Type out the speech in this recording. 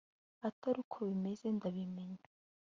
atari ko bimeze ndabimenya